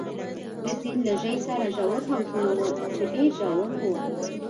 د سیند له ژۍ سره ژور حوضونه ول، چې ډېر ژور وو.